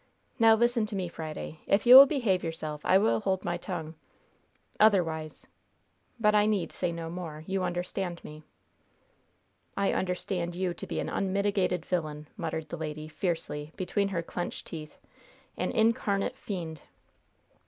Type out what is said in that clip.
Now listen to me, Friday. If you will behave yourself, I will hold my tongue. Otherwise But I need say no more. You understand me." "I understand you to be an unmitigated villain!" muttered the lady, fiercely, between her clenched teeth "an incarnate fiend!"